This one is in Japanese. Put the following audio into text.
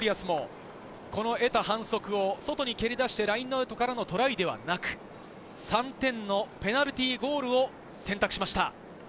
サンゴリアスも得た反則を外に蹴り出してラインアウトからのトライではなく、３点のペナルティーゴールを選択しました。